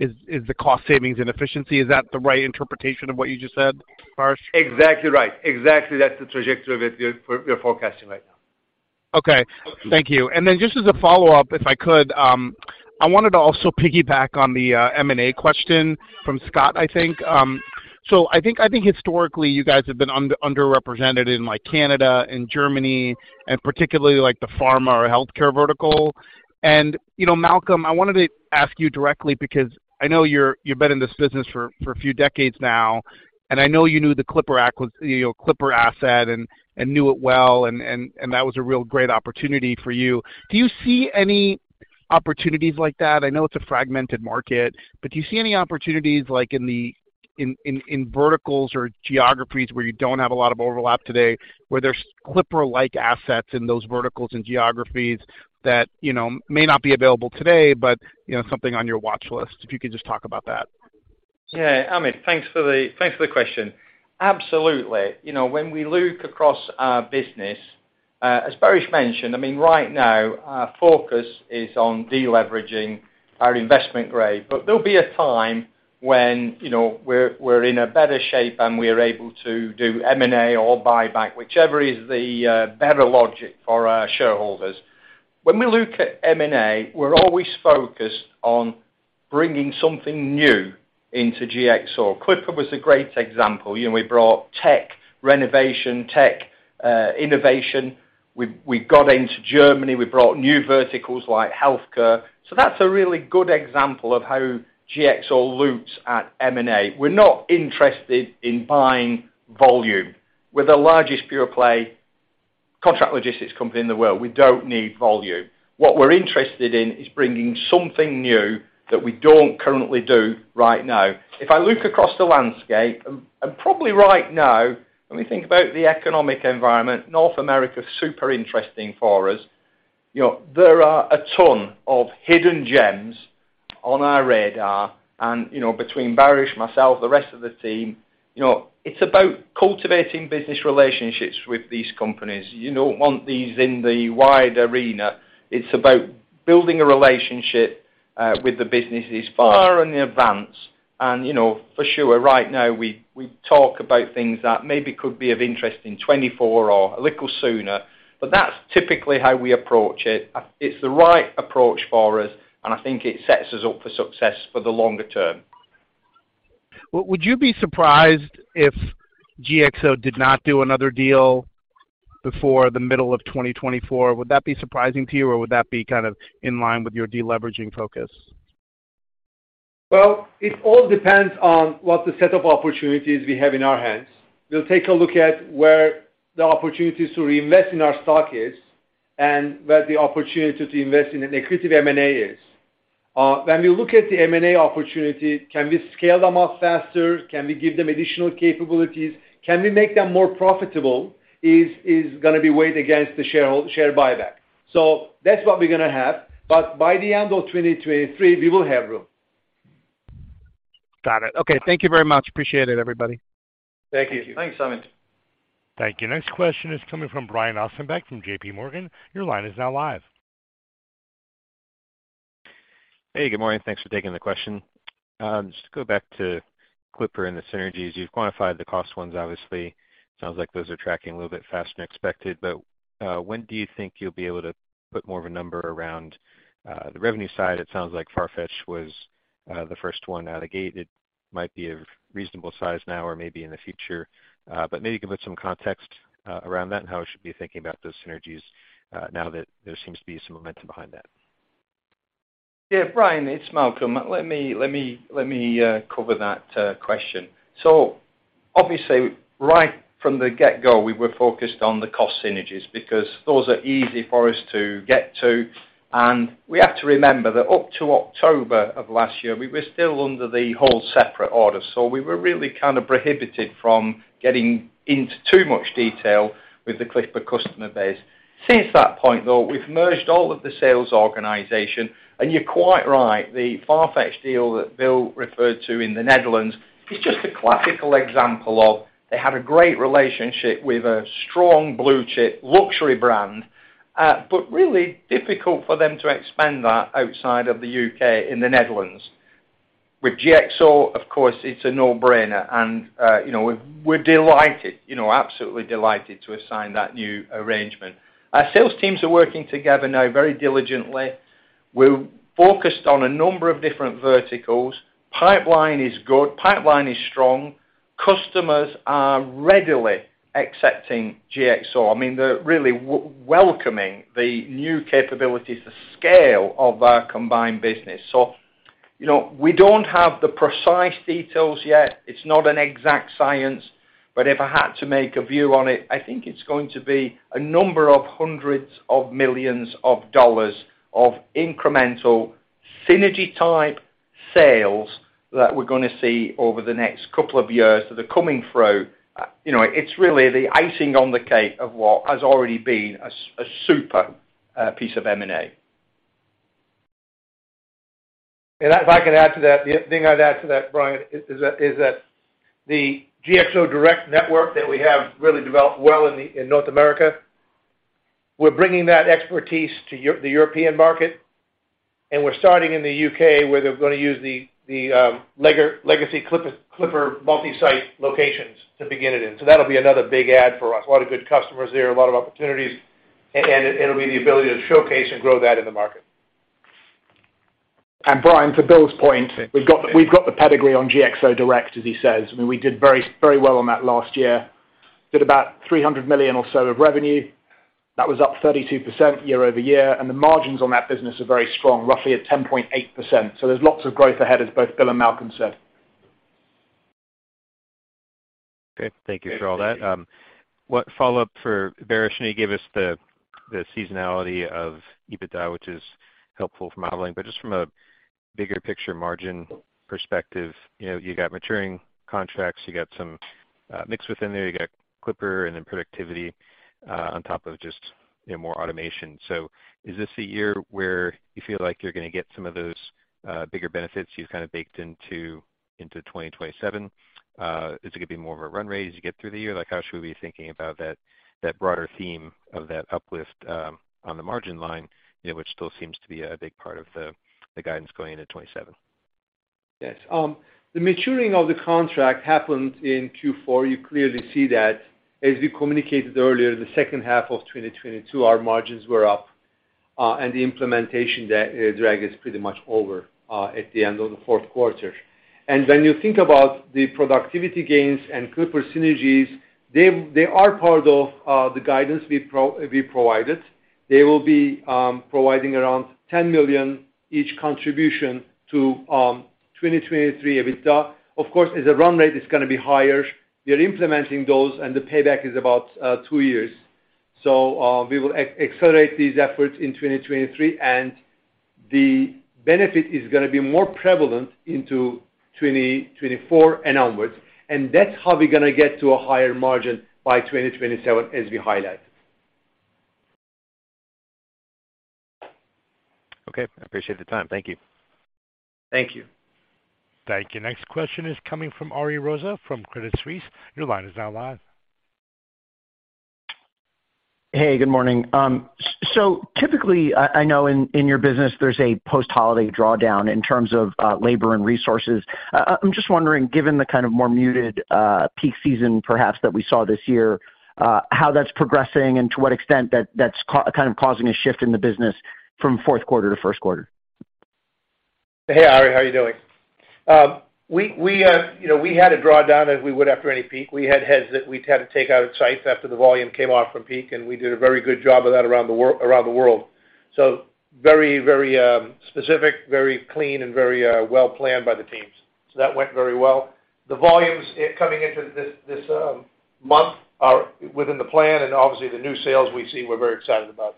is the cost savings and efficiency. Is that the right interpretation of what you just said, Baris? Exactly right. Exactly, that's the trajectory that we're forecasting right now. Okay. Thank you. Just as a follow-up, if I could, I wanted to also piggyback on the M&A question from Scott, I think. I think historically you guys have been underrepresented in like Canada and Germany, and particularly like the pharma or healthcare vertical. You know, Malcolm, I wanted to ask you directly because I know you're, you've been in this business for a few decades now, and I know you knew the Clipper asset and knew it well, and that was a real great opportunity for you. Do you see any opportunities like that? I know it's a fragmented market, but do you see any opportunities like in the verticals or geographies where you don't have a lot of overlap today, where there's Clipper-like assets in those verticals and geographies that, you know, may not be available today, but, you know, something on your watchlist? If you could just talk about that. Yeah, Amit, thanks for the question. Absolutely. You know, when we look across our business, as Baris mentioned, I mean, right now our focus is on deleveraging our investment-grade. There'll be a time when, you know, we're in a better shape and we are able to do M&A or buyback, whichever is the better logic for our shareholders. When we look at M&A, we're always focused on bringing something new into GXO. Clipper was a great example. You know, we brought tech renovation, tech innovation. We got into Germany. We brought new verticals like healthcare. That's a really good example of how GXO looks at M&A. We're not interested in buying volume. We're the largest pure-play contract logistics company in the world. We don't need volume. What we're interested in is bringing something new that we don't currently do right now. If I look across the landscape and probably right now, when we think about the economic environment, North America is super interesting for us. You know, there are a ton of hidden gems on our radar. You know, between Baris, myself, the rest of the team, you know, it's about cultivating business relationships with these companies. You don't want these in the wide arena. It's about building a relationship with the businesses far in advance. You know, for sure right now we talk about things that maybe could be of interest in 2024 or a little sooner. That's typically how we approach it. It's the right approach for us, and I think it sets us up for success for the longer term. Would you be surprised if GXO did not do another deal before the middle of 2024? Would that be surprising to you, or would that be kind of in line with your deleveraging focus? Well, it all depends on what the set of opportunities we have in our hands. We'll take a look at where the opportunities to reinvest in our stock is and where the opportunity to invest in an accretive M&A is. When we look at the M&A opportunity, can we scale them up faster? Can we give them additional capabilities? Can we make them more profitable? Is gonna be weighed against the share buyback. That's what we're gonna have. By the end of 2023, we will have room. Got it. Okay. Thank you very much. Appreciate it, everybody. Thank you. Thanks, Amit. Thank you. Next question is coming from Brian Ossenbeck from JPMorgan. Your line is now live. Hey, good morning. Thanks for taking the question. Just to go back to Clipper and the synergies. You've quantified the cost ones, obviously. Sounds like those are tracking a little bit faster than expected, but when do you think you'll be able to put more of a number around the revenue side? It sounds like FARFETCH was the first one out of gate. It might be of reasonable size now or maybe in the future. Maybe you can put some context around that and how we should be thinking about those synergies now that there seems to be some momentum behind that. Yeah. Brian, it's Malcolm. Let me cover that question. Obviously, right from the get-go, we were focused on the cost synergies because those are easy for us to get to. We have to remember that up to October of last year, we were still under the whole separation agreement. We were really kind of prohibited from getting into too much detail with the Clipper customer base. Since that point, though, we've merged all of the sales organization. You're quite right, the FARFETCH deal that Bill referred to in the Netherlands is just a classical example of they had a great relationship with a strong blue chip luxury brand, but really difficult for them to expand that outside of the U.K. in the Netherlands. With GXO, of course, it's a no-brainer. You know, we're delighted, you know, absolutely delighted to assign that new arrangement. Our sales teams are working together now very diligently. We're focused on a number of different verticals. Pipeline is good. Pipeline is strong. Customers are readily accepting GXO. I mean, they're really welcoming the new capabilities, the scale of our combined business. You know, we don't have the precise details yet. It's not an exact science, but if I had to make a view on it, I think it's going to be a number of hundreds of millions of dollars of incremental synergy type sales that we're gonna see over the next two years that are coming through. You know, it's really the icing on the cake of what has already been a super piece of M&A. If I can add to that, the thing I'd add to that, Brian, is that the GXO Direct network that we have really developed well in North America, we're bringing that expertise to the European market, and we're starting in the U.K., where they're gonna use the legacy Clipper multi-site locations to begin it in. That'll be another big add for us. A lot of good customers there, a lot of opportunities, and it'll be the ability to showcase and grow that in the market. Brian, to Bill's point, we've got the pedigree on GXO Direct, as he says. I mean, we did very, very well on that last year. Did about $300 million or so of revenue. That was up 32% year-over-year. The margins on that business are very strong, roughly at 10.8%. There's lots of growth ahead, as both Bill and Malcolm said. Great. Thank you for all that. One follow-up for Baris. Can you give us The seasonality of EBITDA, which is helpful for modeling, but just from a bigger picture margin perspective, you know, you got maturing contracts, you got some mixed within there, you got Clipper and then productivity on top of just, you know, more automation. Is this the year where you feel like you're gonna get some of those bigger benefits you've kinda baked into 2027? Is it gonna be more of a run rate as you get through the year? How should we be thinking about that broader theme of that uplift on the margin line, you know, which still seems to be a big part of the guidance going into 27. The maturing of the contract happened in Q4. You clearly see that. As we communicated earlier, the second half of 2022, our margins were up, and the implementation drag is pretty much over at the end of the fourth quarter. When you think about the productivity gains and Clipper synergies, they are part of the guidance we provided. They will be providing around $10 million each contribution to 2023 EBITDA. Of course, as a run rate, it's gonna be higher. We are implementing those, the payback is about two years. We will accelerate these efforts in 2023, the benefit is gonna be more prevalent into 2024 and onwards. That's how we're gonna get to a higher margin by 2027, as we highlighted. Okay. I appreciate the time. Thank you. Thank you. Thank you. Next question is coming from Ariel Rosa from Credit Suisse. Your line is now live. Hey, good morning. Typically, I know in your business there's a post-holiday drawdown in terms of labor and resources. I'm just wondering, given the kind of more muted peak season perhaps that we saw this year, how that's progressing and to what extent that that's kind of causing a shift in the business from fourth quarter to first quarter? Hey, Ariel. How are you doing? We, you know, we had a drawdown as we would after any peak. We had heads that we'd had to take out of sites after the volume came off from peak, and we did a very good job of that around the world. Very specific, very clean and very well-planned by the teams. That went very well. The volumes coming into this month are within the plan, and obviously the new sales we see we're very excited about.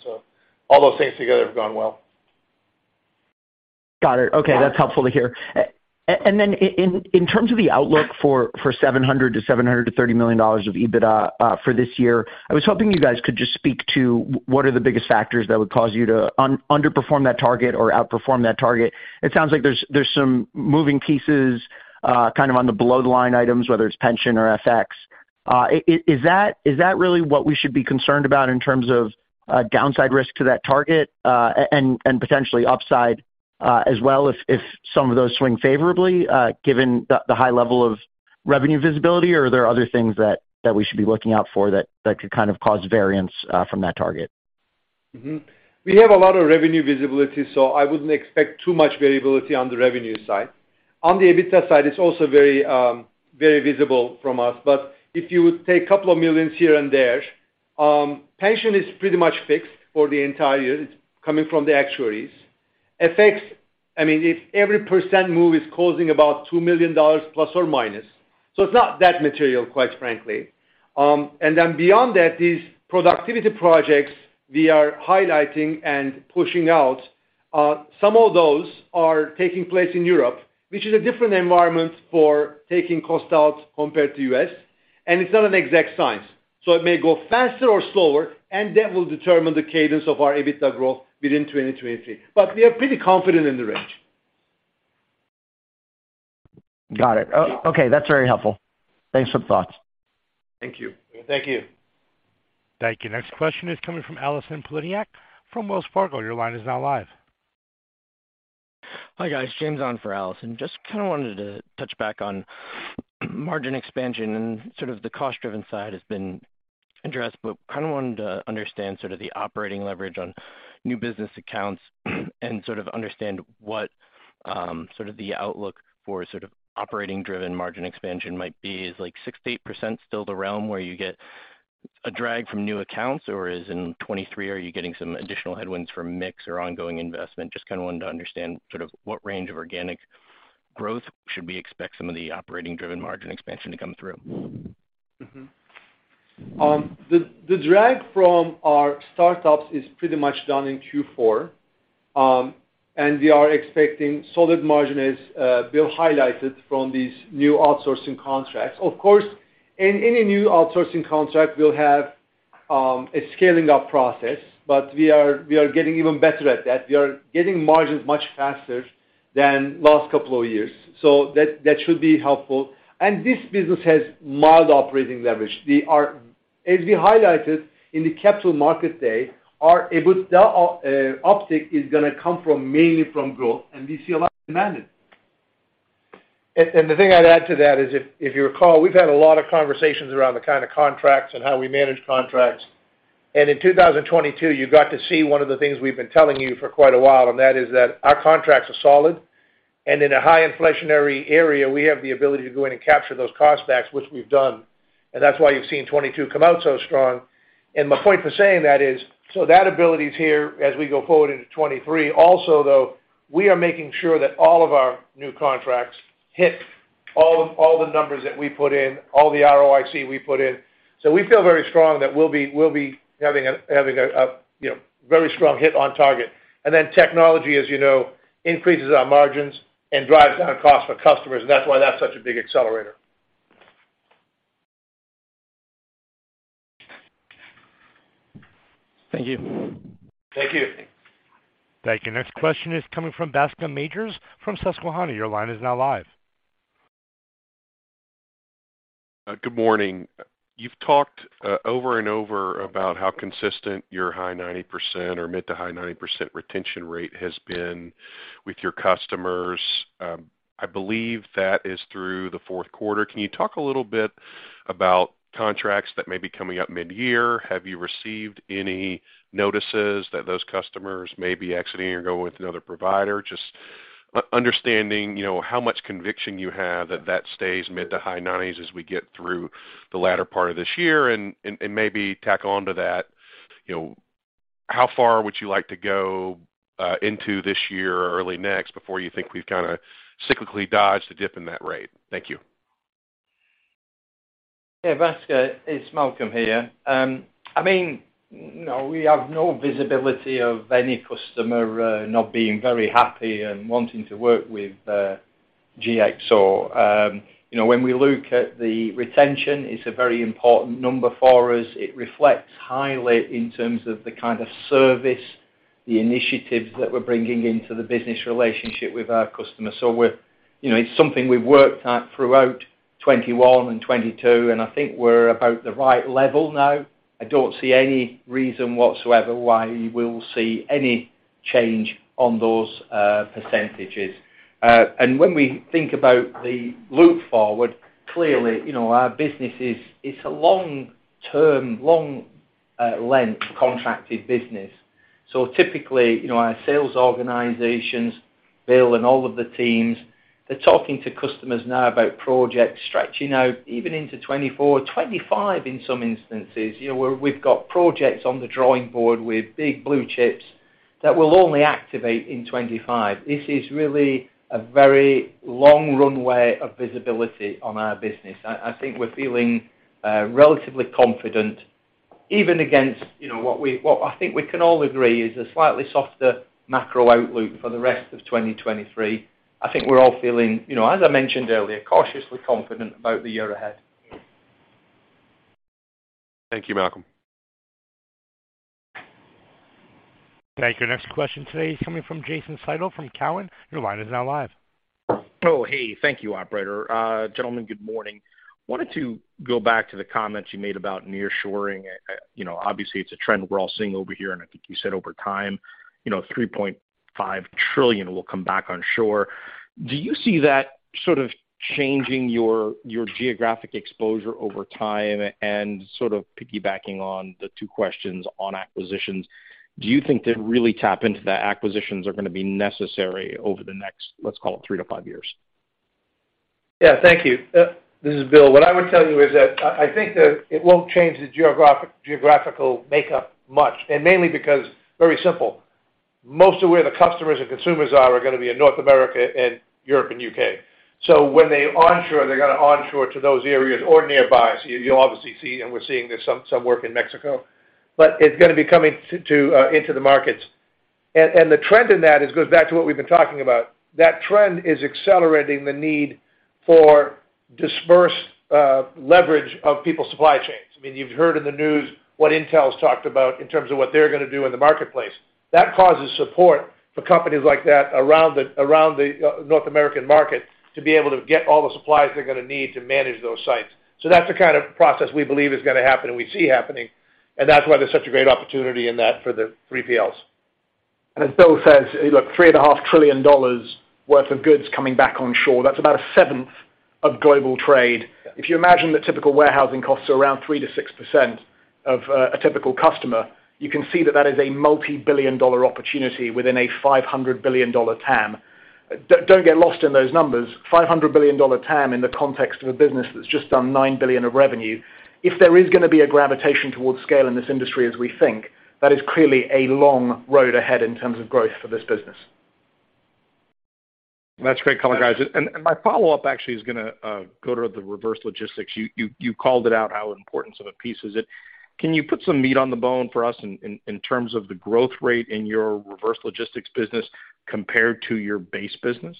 All those things together have gone well. Got it. Okay, that's helpful to hear. Then in terms of the outlook for $700 million-$730 million of EBITDA for this year, I was hoping you guys could just speak to what are the biggest factors that would cause you to underperform that target or outperform that target? It sounds like there's some moving pieces kind of on the below-the-line items, whether it's pension or FX. Is that really what we should be concerned about in terms of downside risk to that target and potentially upside as well if some of those swing favorably given the high level of revenue visibility? Are there other things that we should be looking out for that could kind of cause variance from that target? We have a lot of revenue visibility. I wouldn't expect too much variability on the revenue side. On the EBITDA side, it's also very, very visible from us. If you take $2 million here and there, pension is pretty much fixed for the entire year. It's coming from the actuaries. FX, I mean, if every 1% move is causing about $2 million ±, so it's not that material, quite frankly. Beyond that, these productivity projects we are highlighting and pushing out, some of those are taking place in Europe, which is a different environment for taking cost out compared to U.S., and it's not an exact science. It may go faster or slower, and that will determine the cadence of our EBITDA growth within 2023. We are pretty confident in the range. Got it. Okay, that's very helpful. Thanks for the thoughts. Thank you. Thank you. Thank you. Next question is coming from Allison Poliniak-Cusic from Wells Fargo. Your line is now live. Hi, guys. James on for Allison. Just kinda wanted to touch back on margin expansion and sort of the cost-driven side has been addressed. Kind of wanted to understand sort of the operating leverage on new business accounts and sort of understand what sort of the outlook for sort of operating-driven margin expansion might be. Is like 6%-8% still the realm where you get a drag from new accounts, or is in 2023 are you getting some additional headwinds from mix or ongoing investment? Just kinda wanted to understand sort of what range of organic growth should we expect some of the operating-driven margin expansion to come through? The drag from our startups is pretty much done in Q4. We are expecting solid margin as Bill highlighted from these new outsourcing contracts. Of course, in any new outsourcing contract, we'll have a scaling up process, but we are getting even better at that. We are getting margins much faster than last couple of years, so that should be helpful. This business has mild operating leverage. As we highlighted in the Capital Markets Day, our EBITDA uptick is gonna come from mainly from growth. We see a lot of demand. The thing I'd add to that is if you recall, we've had a lot of conversations around the kind of contracts and how we manage contracts. In 2022, you got to see one of the things we've been telling you for quite a while, and that is that our contracts are solid. In a high inflationary area, we have the ability to go in and capture those cost backs, which we've done. That's why you've seen 22 come out so strong. My point for saying that is, that ability is here as we go forward into 23. Also, though, we are making sure that all of our new contracts hit all the numbers that we put in, all the ROIC we put in. We feel very strong that we'll be having a, you know, very strong hit on target. Then technology, as you know, increases our margins and drives down costs for customers. That's why that's such a big accelerator. Thank you. Thank you. Thank you. Next question is coming from Bascome Majors from Susquehanna. Your line is now live. Good morning. You've talked over and over about how consistent your high 90% or mid to high 90% retention rate has been with your customers. I believe that is through the fourth quarter. Can you talk a little bit about contracts that may be coming up midyear? Have you received any notices that those customers may be exiting or going with another provider? Just understanding, you know, how much conviction you have that stays mid to high 90s as we get through the latter part of this year. Maybe tack on to that, you know, how far would you like to go into this year or early next before you think we've kinda cyclically dodged a dip in that rate? Thank you. It's Malcolm here. I mean, no, we have no visibility of any customer not being very happy and wanting to work with GXO. You know, when we look at the retention, it's a very important number for us. It reflects highly in terms of the kind of service, the initiatives that we're bringing into the business relationship with our customers. You know, it's something we've worked at throughout 2021 and 2022, and I think we're about the right level now. I don't see any reason whatsoever why we'll see any change on those percentages. And when we think about the look forward, clearly, you know, our business is, it's a long-term, long length contracted business. Typically, you know, our sales organizations, Bill and all of the teams, they're talking to customers now about projects stretching out even into 2024 or 2025 in some instances. You know, we've got projects on the drawing board with big blue chips that will only activate in 2025. This is really a very long runway of visibility on our business. I think we're feeling relatively confident even against, you know, what I think we can all agree is a slightly softer macro outlook for the rest of 2023. I think we're all feeling, you know, as I mentioned earlier, cautiously confident about the year ahead. Thank you, Malcolm. Thank you. Next question today is coming from Jason Seidl from Cowen. Your line is now live. Oh, hey. Thank you, operator. Gentlemen, good morning. Wanted to go back to the comments you made about nearshoring. You know, obviously, it's a trend we're all seeing over here, and I think you said over time, you know, $3.5 trillion will come back on shore. Do you see that sort of changing your geographic exposure over time? Sort of piggybacking on the two questions on acquisitions, do you think to really tap into that, acquisitions are gonna be necessary over the next, let's call it, three to five years? Yeah. Thank you. This is Bill. What I would tell you is that I think that it won't change the geographical makeup much, mainly because very simple, most of where the customers and consumers are gonna be in North America and Europe and U.K. When they onshore, they're gonna onshore to those areas or nearby. You, you'll obviously see, and we're seeing there's some work in Mexico, but it's gonna be coming to into the markets. The trend in that is goes back to what we've been talking about. That trend is accelerating the need for dispersed leverage of people's supply chains. I mean, you've heard in the news what Intel's talked about in terms of what they're gonna do in the marketplace. That causes support for companies like that around the North American market to be able to get all the supplies they're gonna need to manage those sites. That's the kind of process we believe is gonna happen and we see happening, and that's why there's such a great opportunity in that for the 3PLs. As Bill Fraine says, look, $3.5 trillion worth of goods coming back on shore, that's about a seventh of global trade. If you imagine the typical warehousing costs are around 3%-6% of a typical customer, you can see that that is a multi-billion dollar opportunity within a $500 billion TAM. Don't get lost in those numbers. $500 billion TAM in the context of a business that's just done $9 billion of revenue. If there is gonna be a gravitation towards scale in this industry as we think, that is clearly a long road ahead in terms of growth for this business. That's great color, guys. My follow-up actually is gonna go to the reverse logistics. You called it out how importance of a piece is it. Can you put some meat on the bone for us in terms of the growth rate in your reverse logistics business compared to your base business?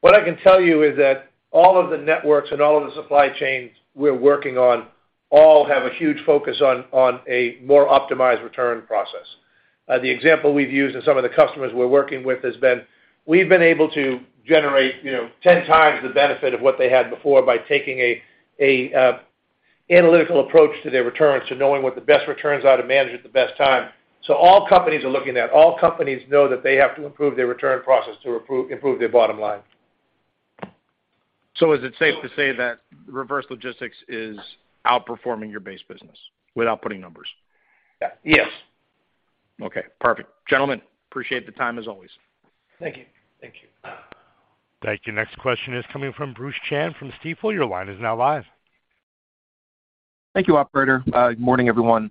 What I can tell you is that all of the networks and all of the supply chains we're working on all have a huge focus on a more optimized return process. The example we've used and some of the customers we're working with has been, we've been able to generate, you know, 10x the benefit of what they had before by taking a analytical approach to their returns to knowing what the best returns are to manage at the best time. All companies are looking at, all companies know that they have to improve their return process to improve their bottom line. Is it safe to say that reverse logistics is outperforming your base business without putting numbers? Yeah. Yes. Okay, perfect. Gentlemen, appreciate the time as always. Thank you. Thank you. Thank you. Next question is coming from Bruce Chan from Stifel. Your line is now live. Thank you, operator. Good morning, everyone.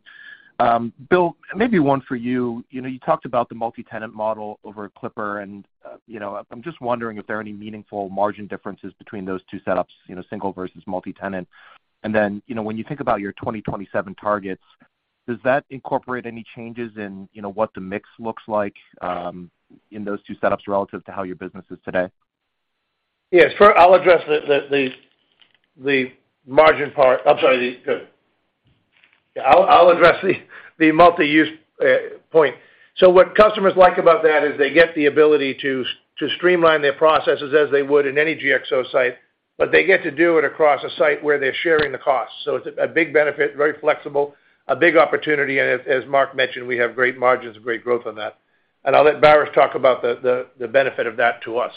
Bill, maybe one for you. You know, you talked about the multi-tenant model over Clipper and, you know, I'm just wondering if there are any meaningful margin differences between those two setups, you know, single versus multi-tenant. Then, you know, when you think about your 2027 targets, does that incorporate any changes in, you know, what the mix looks like, in those two setups relative to how your business is today? Yes. Sure. I'll address the margin part. I'm sorry. I'll address the multi-use point. What customers like about that is they get the ability to streamline their processes as they would in any GXO site, but they get to do it across a site where they're sharing the costs. It's a big benefit, very flexible, a big opportunity. As Mark mentioned, we have great margins and great growth on that. I'll let Baris talk about the benefit of that to us.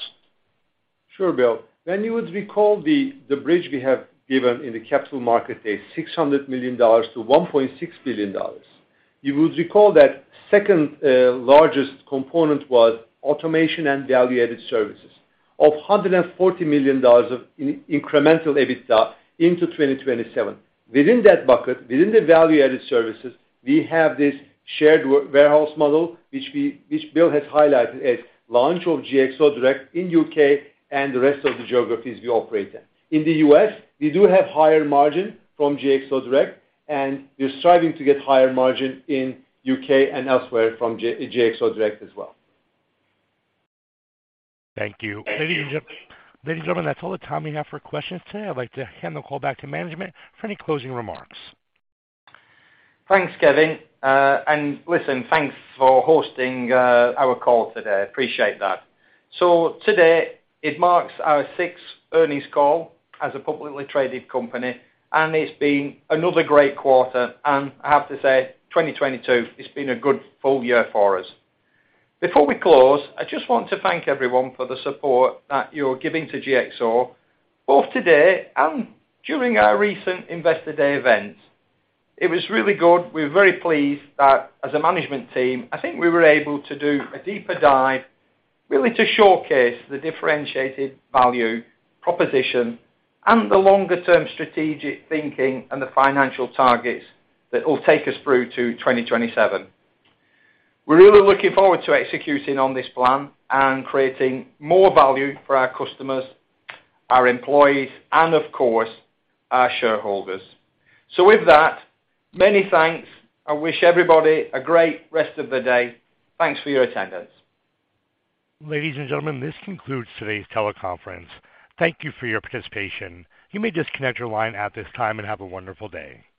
Sure, Bill. When you would recall the bridge we have given in the Capital Markets is $600 million to $1.6 billion. You would recall that second largest component was automation and value-added services of $140 million of in-incremental EBITDA into 2027. Within that bucket, within the value-added services, we have this shared warehouse model, which Bill has highlighted as launch of GXO Direct in U.K. and the rest of the geographies we operate in. In the U.S., we do have higher margin from GXO Direct, and we're striving to get higher margin in U.K. and elsewhere from GXO Direct as well. Thank you. Thank you. Ladies and gentlemen, that's all the time we have for questions today. I'd like to hand the call back to management for any closing remarks. Thanks, Kevin. Listen, thanks for hosting our call today. Appreciate that. Today it marks our sixth earnings call as a publicly traded company, and it's been another great quarter. I have to say, 2022, it's been a good full year for us. Before we close, I just want to thank everyone for the support that you're giving to GXO both today and during our recent Investor Day event. It was really good. We're very pleased that as a management team, I think we were able to do a deeper dive, really to showcase the differentiated value proposition and the longer term strategic thinking and the financial targets that will take us through to 2027. We're really looking forward to executing on this plan and creating more value for our customers, our employees, and of course, our shareholders. With that, many thanks. I wish everybody a great rest of the day. Thanks for your attendance. Ladies and gentlemen, this concludes today's teleconference. Thank you for your participation. You may disconnect your line at this time and have a wonderful day.